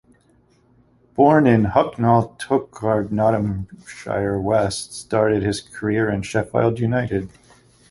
Born in Hucknall Torkard, Nottinghamshire, West started his career for Sheffield United.